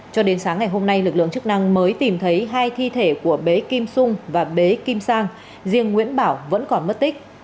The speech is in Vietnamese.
cho đến sáng ngày hôm nay lực lượng chức năng mới tìm thấy hai thi thể của bé kim sung và bế kim sang riêng nguyễn bảo vẫn còn mất tích